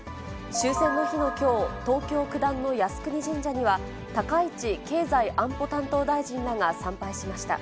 終戦の日のきょう、東京・九段の靖国神社には、高市経済安保担当大臣らが参拝しました。